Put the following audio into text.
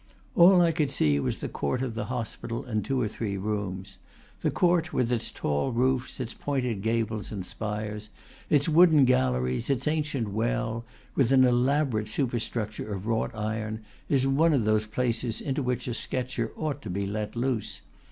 All I could see was the court of the hospital and two or three rooms. The court, with its tall roofs, its pointed gables and spires, its wooden galleries, its ancient well, with an elaborate superstruc ture of wrought iron, is one of those places into which a sketcher ought to be let loose.